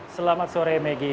selamat sore megi